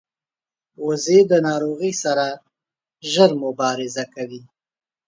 وزې د ناروغۍ سره ژر مبارزه کوي